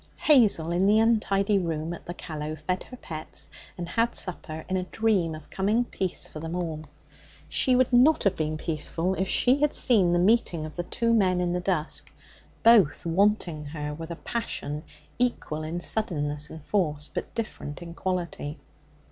Hazel, in the untidy room at the Callow, fed her pets and had supper in a dream of coming peace for them all. She would not have been peaceful if she had seen the meeting of the two men in the dusk, both wanting her with a passion equal in suddenness and force, but different in quality.